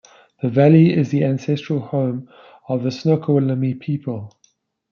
The valley is the ancestral home of the Snoqualmie people.